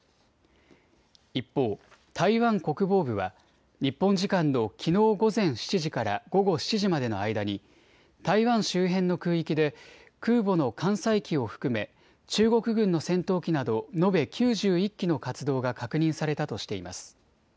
一方、台湾国防部は日本時間のきのう午前７時から午後７時までの間に台湾周辺の空域で空母の艦載機を含め中国軍の戦闘機など延べ９１機の活動が確認されたとしています。